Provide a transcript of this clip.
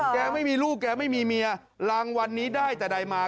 แกไม่มีลูกแกไม่มีเมียรางวัลนี้ได้แต่ใดมา